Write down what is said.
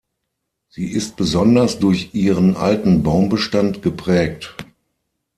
Sie ist besonders durch ihren alten Baumbestand geprägt.